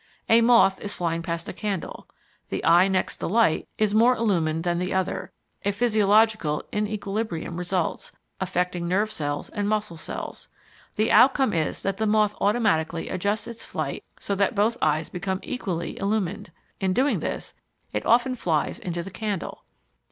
A moth is flying past a candle; the eye next the light is more illumined than the other; a physiological inequilibrium results, affecting nerve cells and muscle cells; the outcome is that the moth automatically adjusts its flight so that both eyes become equally illumined; in doing this it often flies into the candle.